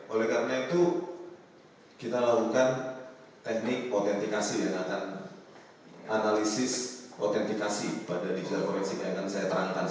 oleh karena itu kita lakukan teknik autentikasi yang akan analisis autentikasi pada digital koreksi kainan saya terangkan